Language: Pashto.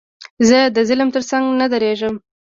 زه د ظالم تر څنګ نه درېږم.